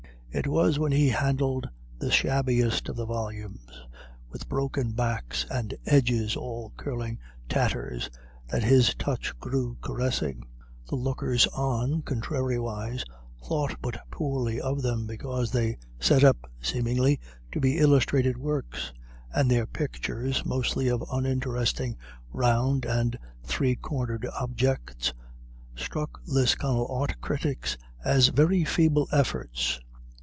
It was when he handled the shabbiest of the volumes, with broken backs and edges all curling tatters, that his touch grew caressing. The lookers on, contrariwise, thought but poorly of them because they set up, seemingly, to be illustrated works, and their pictures, mostly of uninteresting round and three cornered objects, struck Lisconnel art critics as very feeble efforts.